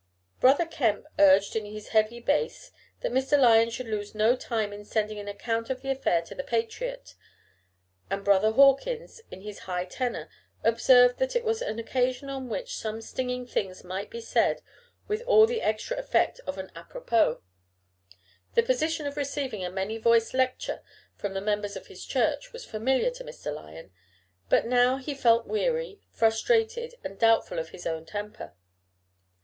Brother Kemp urged in his heavy bass that Mr. Lyon should lose no time in sending an account of the affair to the Patriot; and brother Hawkins, in his high tenor, observed that it was an occasion on which some stinging things might be said with all the extra effect of an apropos. The position of receiving a many voiced lecture from the members of his church was familiar to Mr. Lyon; but now he felt weary, frustrated, and doubtful of his own temper.